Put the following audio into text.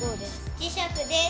磁石です。